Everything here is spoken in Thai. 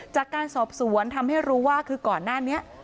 จากการสอบสวนทำให้รู้ว่าคือก่อนหน้านี้